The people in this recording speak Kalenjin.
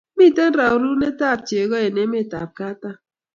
Miten raruen ab cheko en emet ab katam